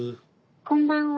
こんばんは。